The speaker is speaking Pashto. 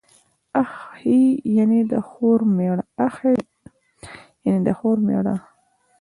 اخښی، يعني د خور مېړه.